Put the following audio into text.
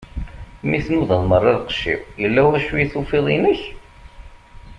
Mi tnudaḍ meṛṛa lqecc-iw, illa wacu i tufiḍ inek?